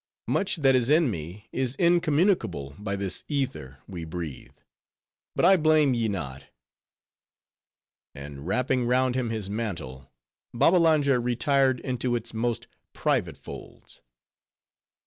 Much that is in me is incommunicable by this ether we breathe. But I blame ye not." And wrapping round him his mantle, Babbalanja retired into its most private folds.